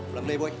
belum beli boy